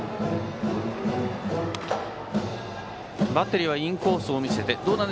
バッテリーはインコースを見せて。